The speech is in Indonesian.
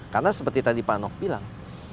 karena seperti tadi pak anof bilang